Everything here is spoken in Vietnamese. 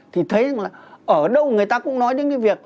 thì thấy ở đâu người ta cũng nói đến cái việc